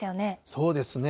そうですね。